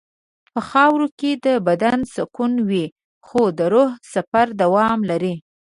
په خاوره کې د بدن سکون وي خو د روح سفر دوام لري.